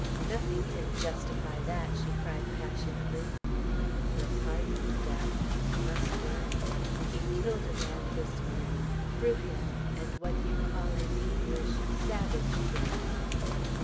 "Nothing can justify that," she cried passionately. "Your pardon, Madame. He must learn. He killed a man this morning, threw him, and what you call in English 'savaged' him."